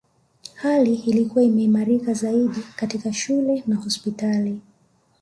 Hali ilikuwa imeimarika zaidi katika shule na hospitali